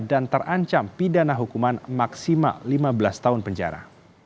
dan terancam pidana hukuman maksimal lima belas tahun penjara